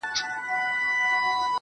د رمز خبره يې د سونډو په موسکا کي نسته,